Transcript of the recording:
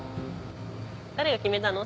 「誰が決めたの？！